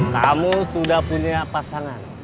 kamu sudah punya pasangan